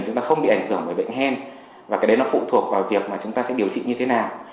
chúng ta không bị ảnh hưởng bởi bệnh hen và cái đấy nó phụ thuộc vào việc mà chúng ta sẽ điều trị như thế nào